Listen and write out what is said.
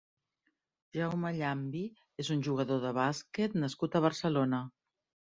Jaume Llambi és un jugador de bàsquet nascut a Barcelona.